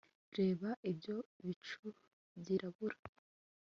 reba ibyo bicu byirabura